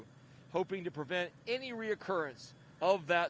berharap untuk memastikan kembali kembali penjarahan